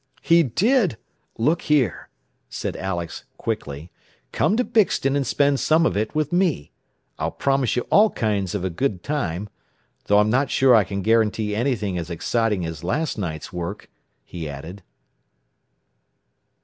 "He did! Look here," sent Alex quickly, "come to Bixton and spend some of it with me. I'll promise you all kinds of a good time. Though I am not sure I can guarantee anything as exciting as last night's work," he added.